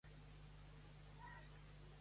Hi ha algun lampista al carrer del Municipi?